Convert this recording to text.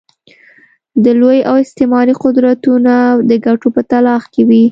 د لوی او استعماري قدرتونه د ګټو په تلاښ کې وي.